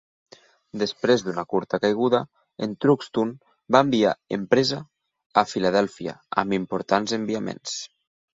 Després d'una curta caiguda en Truxtun va enviar "empresa" a Filadèlfia amb importants enviaments.